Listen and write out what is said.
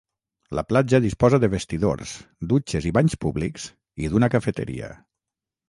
La platja disposa de vestidors, dutxes i banys públics i d'una cafeteria.